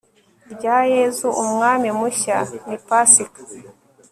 rya yezu, umwami mushya, ni pasika